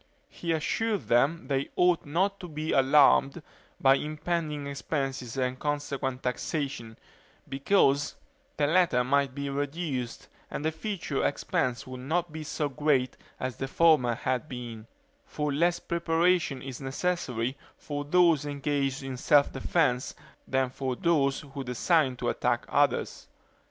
He assured them they ought not to be alarmed by impending expenses and consequent taxation; because the latter might be reduced, and the future expense would not be so great as the former had been; for less preparation is necessary for those engaged in self defense than for those who design to attack others.